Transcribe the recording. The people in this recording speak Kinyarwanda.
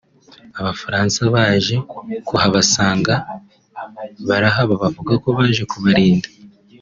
Abafaransa baje kuhabasanga barahaba bavuga ko baje kubarinda